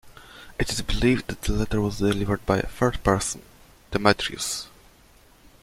It is believed that the letter was delivered by a third person, Demetrius.